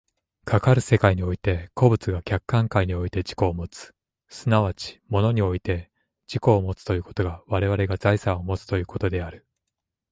かかる世界において個物が客観界において自己をもつ、即ち物において自己をもつということが我々が財産をもつということである。